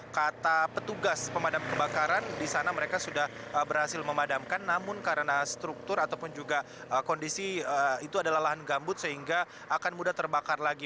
kata petugas pemadam kebakaran di sana mereka sudah berhasil memadamkan namun karena struktur ataupun juga kondisi itu adalah lahan gambut sehingga akan mudah terbakar lagi